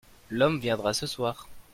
L'homme viendra ce soir.